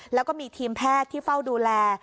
แล้วก็มีทีมแพทย์ที่เฝ้าดูแล